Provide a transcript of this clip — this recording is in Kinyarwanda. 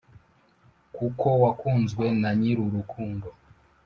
kuko wakunzwe na nyirurukundo